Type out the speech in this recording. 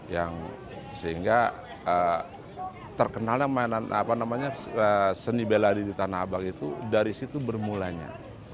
yang sehingga terkenalnya mainan apa namanya seni beladiri tanah abang itu dari situ bermulanya